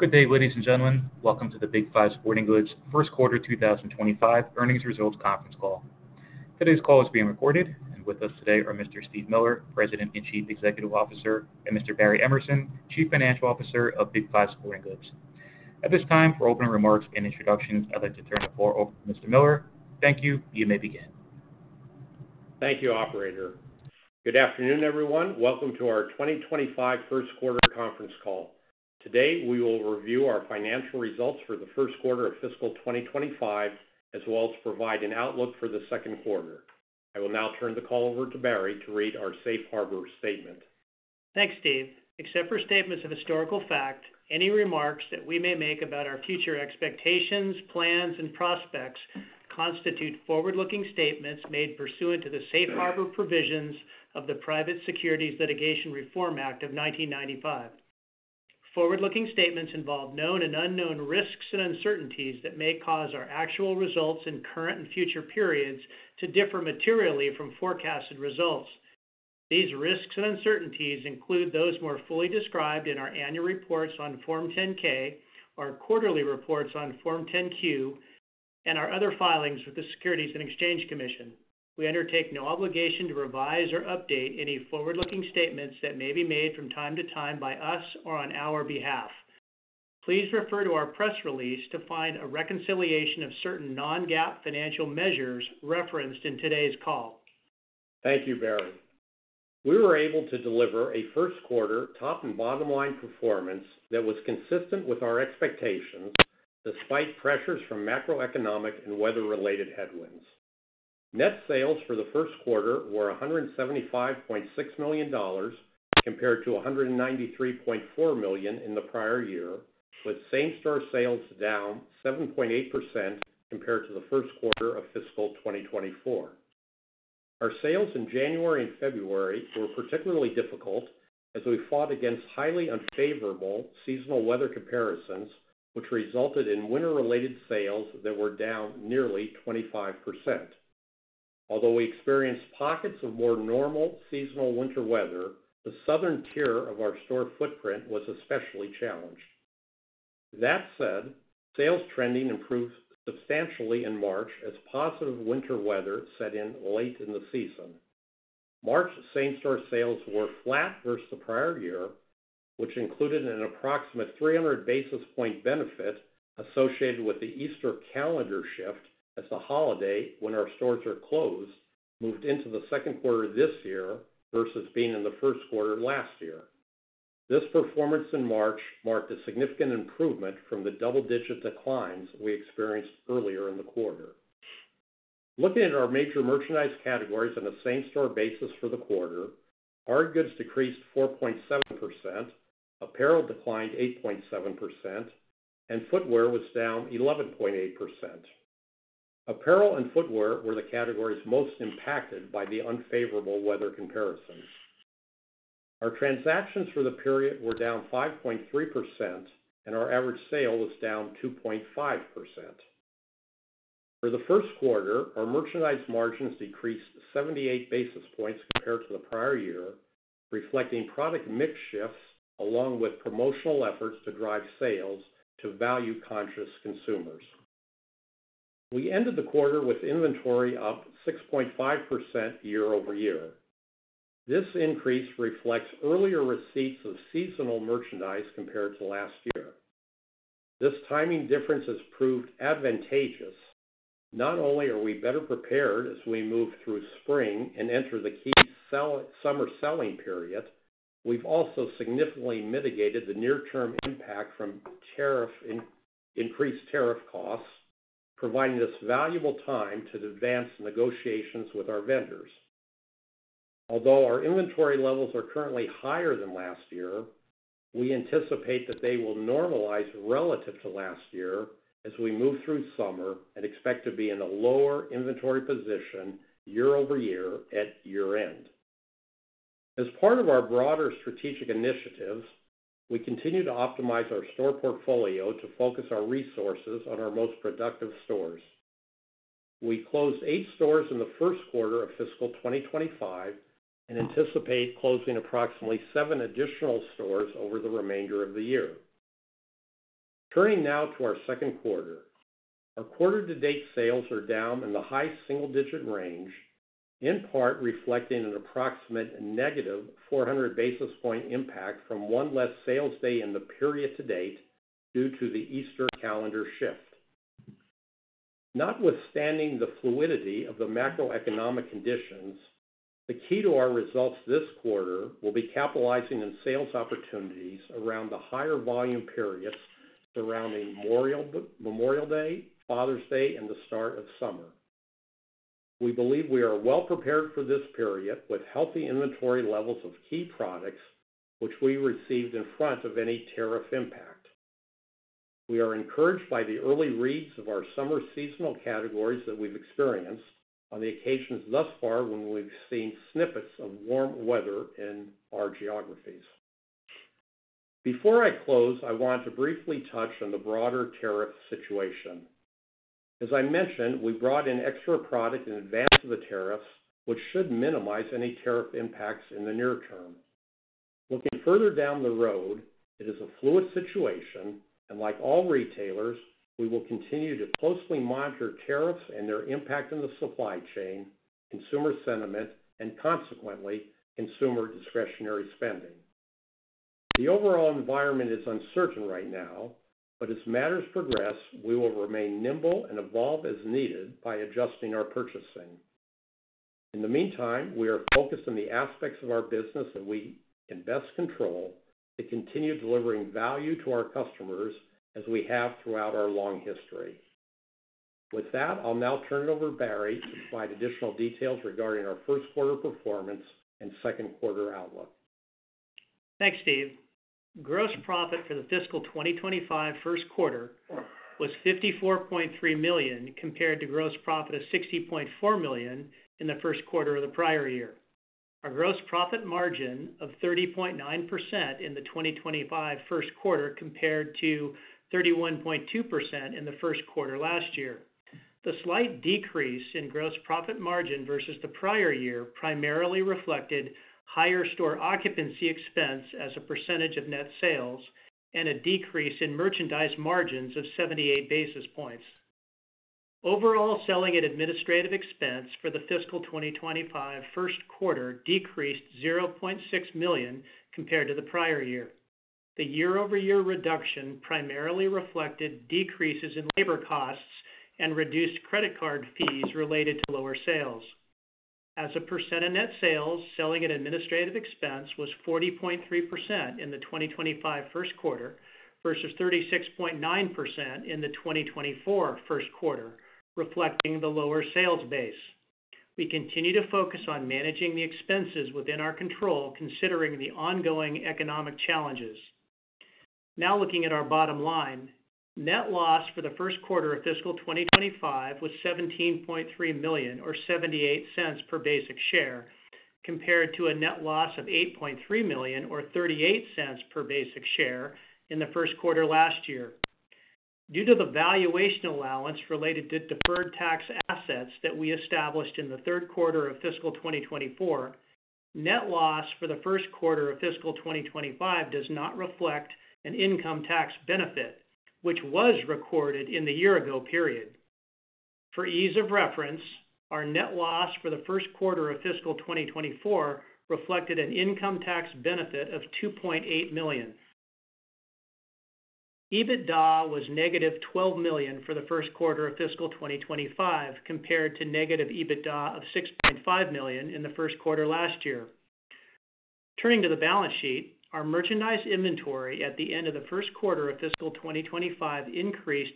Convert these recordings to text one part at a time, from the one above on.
Good day, ladies and gentlemen. Welcome to the Big 5 Sporting Goods First Quarter 2025 Earnings Results Conference Call. Today's call is being recorded, and with us today are Mr. Steve Miller, President and Chief Executive Officer, and Mr. Barry Emerson, Chief Financial Officer of Big 5 Sporting Goods. At this time, for opening remarks and introductions, I'd like to turn the floor over to Mr. Miller. Thank you. You may begin. Thank you, Operator. Good afternoon, everyone. Welcome to our 2025 First Quarter Conference Call. Today, we will review our financial results for the first quarter of fiscal 2025, as well as provide an outlook for the second quarter. I will now turn the call over to Barry to read our Safe Harbor Statement. Thanks, Steve. Except for statements of historical fact, any remarks that we may make about our future expectations, plans, and prospects constitute forward-looking statements made pursuant to the Safe Harbor Provisions of the Private Securities Litigation Reform Act of 1995. Forward-looking statements involve known and unknown risks and uncertainties that may cause our actual results in current and future periods to differ materially from forecasted results. These risks and uncertainties include those more fully described in our annual reports on Form 10-K, our quarterly reports on Form 10-Q, and our other filings with the Securities and Exchange Commission. We undertake no obligation to revise or update any forward-looking statements that may be made from time to time by us or on our behalf. Please refer to our press release to find a reconciliation of certain non-GAAP financial measures referenced in today's call. Thank you, Barry. We were able to deliver a first quarter top and bottom line performance that was consistent with our expectations despite pressures from macroeconomic and weather-related headwinds. Net sales for the first quarter were $175.6 million compared to $193.4 million in the prior year, with same-store sales down 7.8% compared to the first quarter of fiscal 2024. Our sales in January and February were particularly difficult as we fought against highly unfavorable seasonal weather comparisons, which resulted in winter-related sales that were down nearly 25%. Although we experienced pockets of more normal seasonal winter weather, the southern tier of our store footprint was especially challenged. That said, sales trending improved substantially in March as positive winter weather set in late in the season. March same-store sales were flat versus the prior year, which included an approximate 300 basis point benefit associated with the Easter calendar shift as the holiday when our stores are closed moved into the second quarter this year versus being in the first quarter last year. This performance in March marked a significant improvement from the double-digit declines we experienced earlier in the quarter. Looking at our major merchandise categories on a same-store basis for the quarter, hard goods decreased 4.7%, apparel declined 8.7%, and footwear was down 11.8%. Apparel and footwear were the categories most impacted by the unfavorable weather comparisons. Our transactions for the period were down 5.3%, and our average sale was down 2.5%. For the first quarter, our merchandise margins decreased 78 basis points compared to the prior year, reflecting product mix shifts along with promotional efforts to drive sales to value-conscious consumers. We ended the quarter with inventory up 6.5% year over year. This increase reflects earlier receipts of seasonal merchandise compared to last year. This timing difference has proved advantageous. Not only are we better prepared as we move through spring and enter the key summer selling period, we've also significantly mitigated the near-term impact from increased tariff costs, providing us valuable time to advance negotiations with our vendors. Although our inventory levels are currently higher than last year, we anticipate that they will normalize relative to last year as we move through summer and expect to be in a lower inventory position year over year at year-end. As part of our broader strategic initiatives, we continue to optimize our store portfolio to focus our resources on our most productive stores. We closed eight stores in the first quarter of fiscal 2025 and anticipate closing approximately seven additional stores over the remainder of the year. Turning now to our second quarter, our quarter-to-date sales are down in the high single-digit range, in part reflecting an approximate negative 400 basis point impact from one less sales day in the period to date due to the Easter calendar shift. Notwithstanding the fluidity of the macroeconomic conditions, the key to our results this quarter will be capitalizing on sales opportunities around the higher volume periods surrounding Memorial Day, Father's Day, and the start of summer. We believe we are well prepared for this period with healthy inventory levels of key products, which we received in front of any tariff impact. We are encouraged by the early reads of our summer seasonal categories that we've experienced on the occasions thus far when we've seen snippets of warm weather in our geographies. Before I close, I want to briefly touch on the broader tariff situation. As I mentioned, we brought in extra product in advance of the tariffs, which should minimize any tariff impacts in the near term. Looking further down the road, it is a fluid situation, and like all retailers, we will continue to closely monitor tariffs and their impact on the supply chain, consumer sentiment, and consequently, consumer discretionary spending. The overall environment is uncertain right now, but as matters progress, we will remain nimble and evolve as needed by adjusting our purchasing. In the meantime, we are focused on the aspects of our business that we can best control to continue delivering value to our customers as we have throughout our long history. With that, I'll now turn it over to Barry to provide additional details regarding our first quarter performance and second quarter outlook. Thanks, Steve. Gross profit for the fiscal 2025 first quarter was $54.3 million compared to gross profit of $60.4 million in the first quarter of the prior year. Our gross profit margin of 30.9% in the 2025 first quarter compared to 31.2% in the first quarter last year. The slight decrease in gross profit margin versus the prior year primarily reflected higher store occupancy expense as a percentage of net sales and a decrease in merchandise margins of 78 basis points. Overall selling and administrative expense for the fiscal 2025 first quarter decreased $0.6 million compared to the prior year. The year-over-year reduction primarily reflected decreases in labor costs and reduced credit card fees related to lower sales. As a percent of net sales, selling and administrative expense was 40.3% in the 2025 first quarter versus 36.9% in the 2024 first quarter, reflecting the lower sales base. We continue to focus on managing the expenses within our control, considering the ongoing economic challenges. Now looking at our bottom line, net loss for the first quarter of fiscal 2025 was $17.3 million or $0.78 per basic share compared to a net loss of $8.3 million or $0.38 per basic share in the first quarter last year. Due to the valuation allowance related to deferred tax assets that we established in the third quarter of fiscal 2024, net loss for the first quarter of fiscal 2025 does not reflect an income tax benefit, which was recorded in the year-ago period. For ease of reference, our net loss for the first quarter of fiscal 2024 reflected an income tax benefit of $2.8 million. EBITDA was negative $12 million for the first quarter of fiscal 2025 compared to negative EBITDA of $6.5 million in the first quarter last year. Turning to the balance sheet, our merchandise inventory at the end of the first quarter of fiscal 2025 increased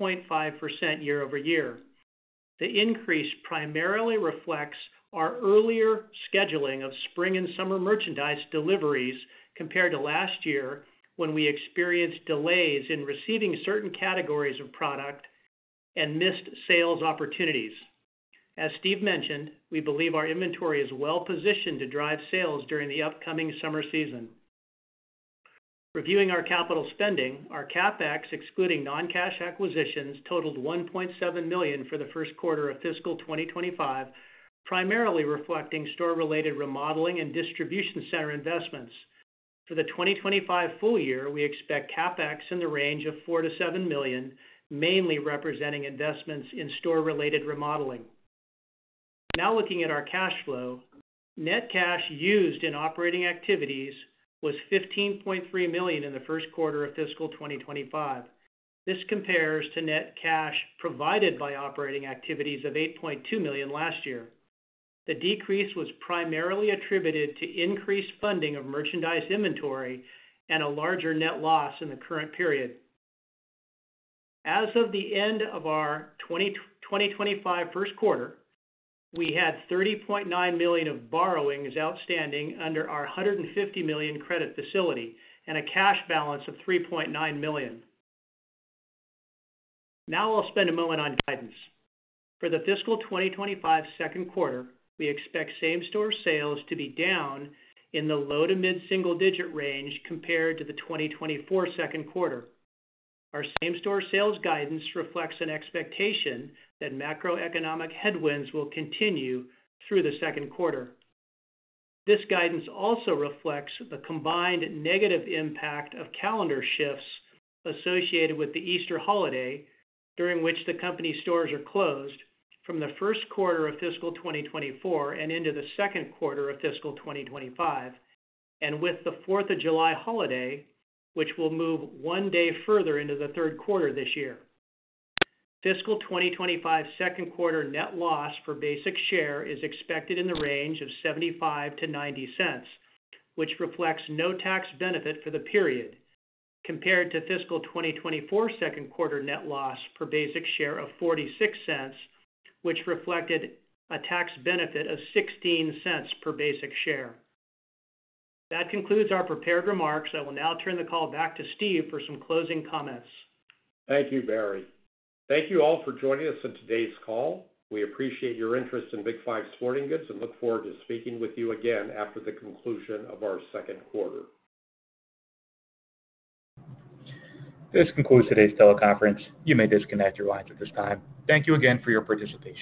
6.5% year over year. The increase primarily reflects our earlier scheduling of spring and summer merchandise deliveries compared to last year when we experienced delays in receiving certain categories of product and missed sales opportunities. As Steve mentioned, we believe our inventory is well positioned to drive sales during the upcoming summer season. Reviewing our capital spending, our CapEx, excluding non-cash acquisitions, totaled $1.7 million for the first quarter of fiscal 2025, primarily reflecting store-related remodeling and distribution center investments. For the 2025 full year, we expect CapEx in the range of $4-$7 million, mainly representing investments in store-related remodeling. Now looking at our cash flow, net cash used in operating activities was $15.3 million in the first quarter of fiscal 2025. This compares to net cash provided by operating activities of $8.2 million last year. The decrease was primarily attributed to increased funding of merchandise inventory and a larger net loss in the current period. As of the end of our 2025 first quarter, we had $30.9 million of borrowings outstanding under our $150 million credit facility and a cash balance of $3.9 million. Now I'll spend a moment on guidance. For the fiscal 2025 second quarter, we expect same-store sales to be down in the low to mid-single-digit range compared to the 2024 second quarter. Our same-store sales guidance reflects an expectation that macroeconomic headwinds will continue through the second quarter. This guidance also reflects the combined negative impact of calendar shifts associated with the Easter holiday, during which the company stores are closed, from the first quarter of fiscal 2024 and into the second quarter of fiscal 2025, and with the 4th of July holiday, which will move one day further into the third quarter this year. Fiscal 2025 second quarter net loss per basic share is expected in the range of $0.75-$0.90, which reflects no tax benefit for the period, compared to fiscal 2024 second quarter net loss per basic share of $0.46, which reflected a tax benefit of $0.16 per basic share. That concludes our prepared remarks. I will now turn the call back to Steve for some closing comments. Thank you, Barry. Thank you all for joining us in today's call. We appreciate your interest in Big 5 Sporting Goods and look forward to speaking with you again after the conclusion of our second quarter. This concludes today's teleconference. You may disconnect your lines at this time. Thank you again for your participation.